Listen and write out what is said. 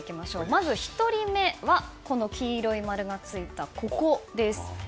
まず１人目は黄色い丸がついた、ここです。